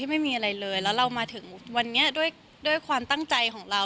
ไม่มีอะไรเลยแล้วเรามาถึงวันนี้ด้วยความตั้งใจของเรา